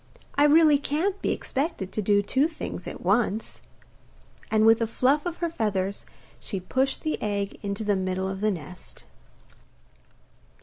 I really can't be expected to do two things at once.' And with a fluff of her feathers she pushed the egg into the middle of the nest.